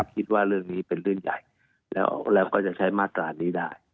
คิดว่าเรื่องนี้เป็นเรื่องใหญ่แล้วก็จะใช้มาตรานี้ได้